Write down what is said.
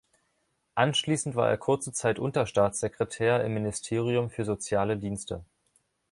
Anschließend war er kurze Zeit Unterstaatssekretär im Ministerium für Soziale Dienste.